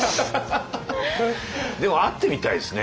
でも会ってみたいですね